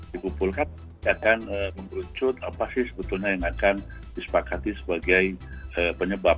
dikumpulkan akan mengerucut apa sih sebetulnya yang akan disepakati sebagai penyebab